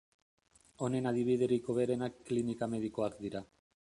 Honen adibiderik hoberena klinika medikoak dira.